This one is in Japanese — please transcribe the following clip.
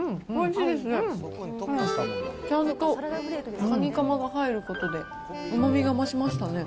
ちゃんとかにかまが入ることでうまみが増しましたね。